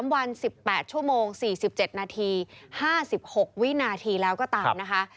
๓วัน๑๘ชั่วโมง๔๗นาที๕๖วินาทีแล้วก็ตามนะคะ